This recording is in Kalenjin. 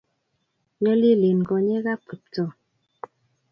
Nyalilen konyek ap Kiptoo.